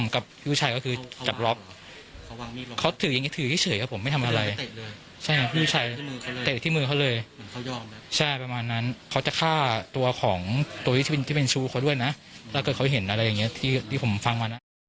แล้วผมกับพี่ผู้ชายก็คือจับรอบ